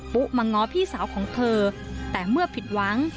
ุ๊มาง้อพี่สาวของเธอแต่เมื่อผิดหวัง